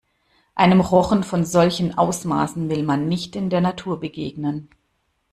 Einem Rochen von solchen Ausmaßen will man nicht in der Natur begegnen.